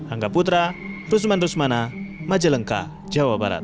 angga putra rusman rusmana majalengka jawa barat